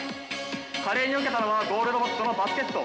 華麗によけたのはゴールロボットのバスケット。